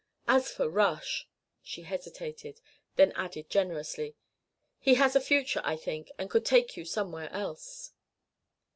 As for Rush " She hesitated, then added generously, "he has a future, I think, and could take you somewhere else."